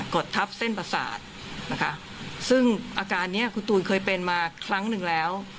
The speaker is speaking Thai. ดทับเส้นประสาทนะคะซึ่งอาการนี้คุณตูนเคยเป็นมาครั้งหนึ่งแล้ว